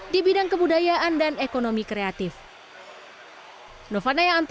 di bidang kebudayaan dan ekonomi kreatif